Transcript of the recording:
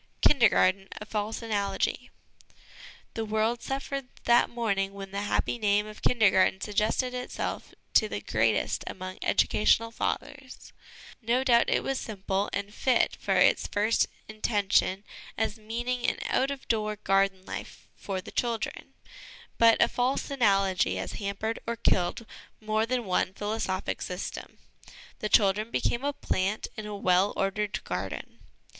'Kindergarten* a False Analogy. The world suffered that morning when the happy name of ' Kindergarten ' suggested itself to the greatest among educational ' Fathers.' No doubt it was simple and fit in its first intention as meaning an out of door garden life for the children ; but, a false analogy has hampered, or killed, more than one philosophic system the child became a plant in a well ordered garden.